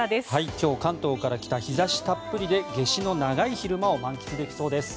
今日、関東から北日差したっぷりで夏至の長い昼間を満喫できそうです。